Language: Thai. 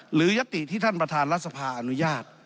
ยัตติที่ท่านประธานรัฐสภาอนุญาต